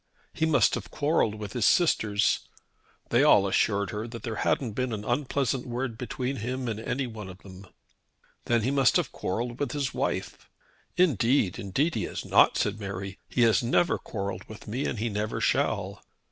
He must have quarrelled with his sisters! They all assured her that there hadn't been an unpleasant word between him and any one of them. Then he must have quarrelled with his wife! "Indeed, indeed he has not," said Mary. "He has never quarrelled with me and he never shall."